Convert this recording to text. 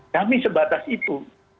kami sebatas itu